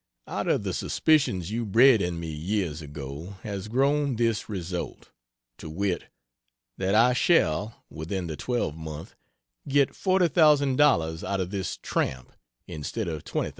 Out of the suspicions you bred in me years ago, has grown this result, to wit, that I shall within the twelvemonth get $40,000 out of this "Tramp" instead Of $20,000.